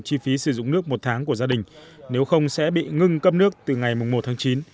chi phí sử dụng nước một tháng của gia đình nếu không sẽ bị ngưng cấp nước từ ngày một tháng chín